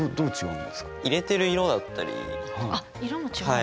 あっ色も違うんだ。